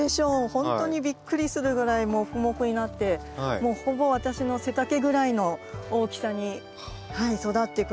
本当にびっくりするぐらいモフモフになってもうほぼ私の背丈ぐらいの大きさに育ってくれました。